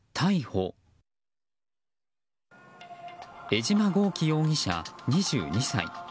江島強貴容疑者、２２歳。